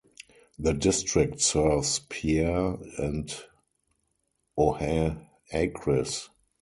The district serves Pierre and Oahe Acres.